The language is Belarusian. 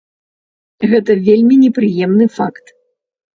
Гэта вельмі непрыемны факт.